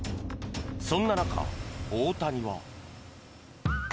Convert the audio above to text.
そんな中、大谷は。